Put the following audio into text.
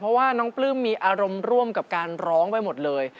เพราะว่าน้องปลื้มมีอารมณ์ร่วมกับการร้องไปหมดเลย